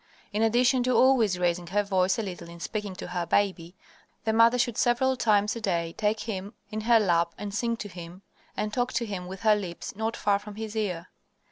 In addition to always raising her voice a little in speaking to her baby, the mother should several times a day take him in her lap and sing to him, and talk to him with her lips not far from his ear.